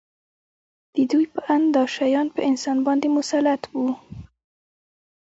د دوی په اند دا شیان په انسان باندې مسلط وو